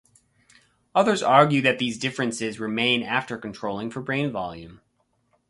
Others argue that these differences remain after controlling for brain volume.